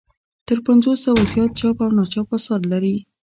تر پنځو سوو زیات چاپ او ناچاپ اثار لري.